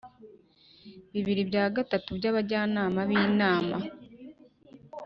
bibiri bya gatatu by abajyanama b Inama